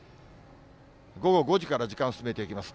午後５時から時間進めていきます。